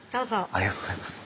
ありがとうございます。